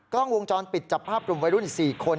กล้องวงจรปิดจับภาพกลุ่มวัยรุ่น๔คน